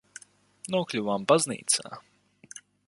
Nokļuvām baznīcā.